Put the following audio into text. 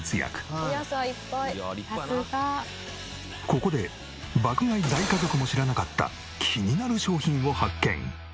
ここで爆買い大家族も知らなかった気になる商品を発見！